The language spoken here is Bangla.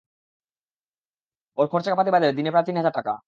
ওর খরচা-পাতি বাদে, দিনে প্রায় তিন হাজার টাকা।